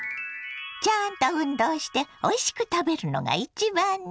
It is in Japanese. ちゃんと運動しておいしく食べるのが一番ね。